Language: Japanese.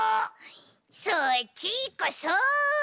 そっちこそ！